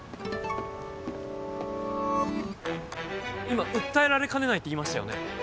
今訴えられかねないって言いましたよね？